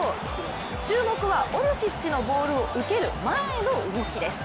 注目は、オルシッチのボールを受ける前の動きです。